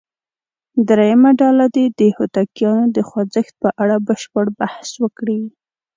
درېمه ډله دې د هوتکیانو د خوځښت په اړه بشپړ بحث وکړي.